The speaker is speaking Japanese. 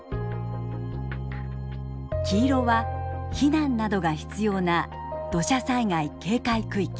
黄色は避難などが必要な土砂災害警戒区域。